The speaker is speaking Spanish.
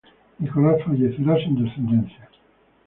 Nicolas fallecerá sin descendencia.